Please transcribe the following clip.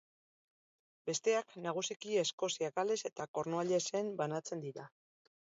Besteak, nagusiki Eskozia, Gales eta Kornuallesen banatzen dira.